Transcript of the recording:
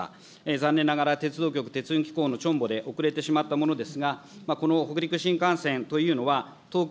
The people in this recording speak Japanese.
残念ながら鉄道局、鉄道のチョンボで遅れてしまったものですが、この北陸新幹線というのは、東京、